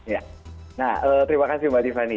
ya nah terima kasih mbak tiffani